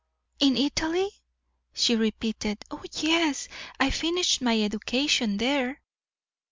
"In Italy?" she repeated. "Oh, yes, I finished my education there!"